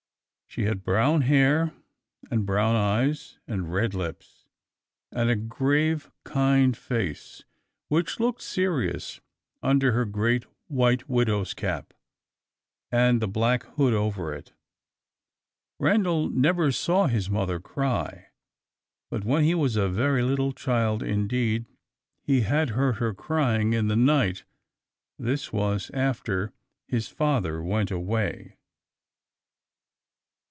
She had brown hair and brown eyes and red lips, and a grave kind face, which looked serious under her great white widow's cap with the black hood over it. Randal never saw his mother cry; but when he was a very little child indeed, he had heard her crying in the night: this was after his father went away.